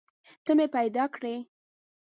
ته مې پیدا کړي